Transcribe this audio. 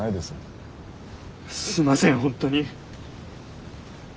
すいません本当に。